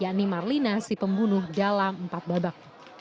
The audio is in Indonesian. yang ini marlina si pembunuh dalam empat babak